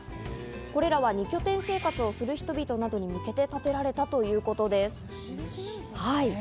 これらは二拠点生活をする人々などに向けて建てられたということです。